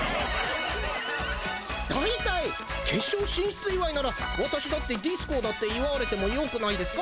大体決勝進出祝いなら私だってディスコウだって祝われてもよくないですか？